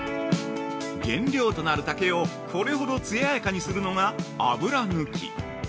◆原料となる竹をこれほどつややかにするのが油抜き。